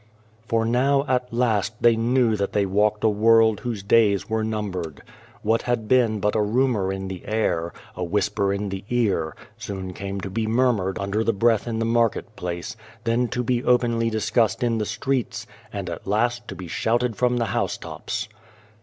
For now at last they knew that they walked a world whose days were numbered. What had been but a rumour in the air, a whisper in the ear, soon came to be murmured under the breath in the market place, then to be openly 272 Without a Child discussed in the streets, and at last to be shouted from the housetops.